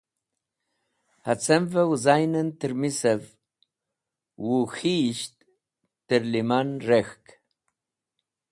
Hacẽmvẽ wezaynẽn tẽrmisv Whuk̃hiyisht tẽrlẽman reg̃hk.